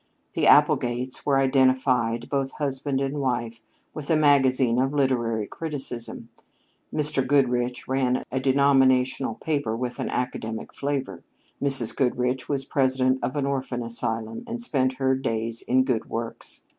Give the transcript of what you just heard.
The Applegates were identified both husband and wife with a magazine of literary criticism; Mr. Goodrich ran a denominational paper with an academic flavor; Mrs. Goodrich was president of an orphan asylum and spent her days in good works.